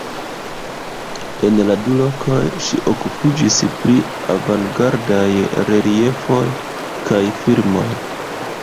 En la du lokoj ŝi okupiĝis pri avangardaj reliefoj kaj filmoj.